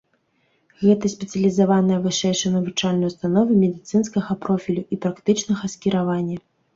Гэта спецыялізаваная вышэйшая навучальная ўстанова медыцынскага профілю і практычнага скіраваня.